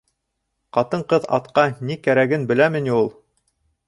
Ҡатын-ҡыҙ атҡа ни кәрәген беләме ни ул?